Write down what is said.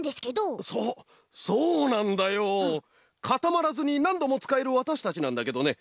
かたまらずになんどもつかえるわたしたちなんだけどね